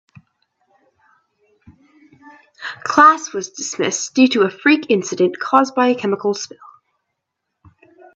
Class was dismissed due to a freak incident caused by a chemical spill.